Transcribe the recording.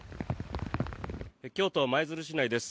京都・舞鶴市内です。